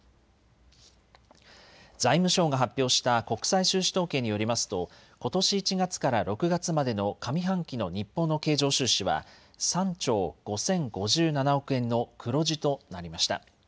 財務省が発表した国際収支統計によりますとことし１月から６月までの上半期の日本の経常収支は３兆５０５７億円の黒字となりました。